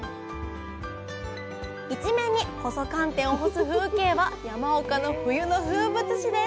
一面に細寒天を干す風景は山岡の冬の風物詩です